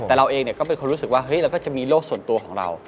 แต่เราเองก็เป็นคนรู้สึกว่าเราก็จะมีโลกส่วนตัวของเรา